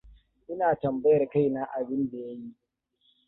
Ina tambayar kaina abin da ya yi.